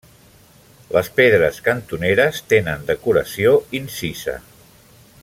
Les pedres cantoneres tenen decoració incisa.